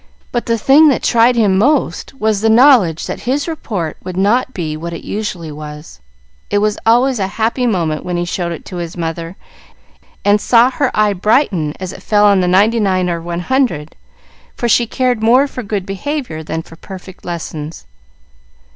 But the thing that tried him most was the knowledge that his report would not be what it usually was. It was always a happy moment when he showed it to his mother, and saw her eye brighten as it fell on the 99 or 100, for she cared more for good behavior than for perfect lessons.